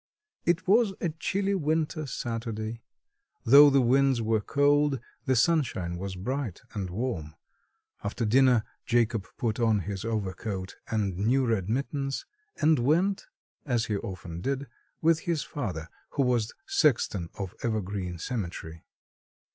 It was a chilly winter Saturday. Though the winds were cold, the sunshine was bright and warm. After dinner Jacob put on his overcoat and new red mittens and went, as he often did, with his father, who was sexton of Evergreen cemetery.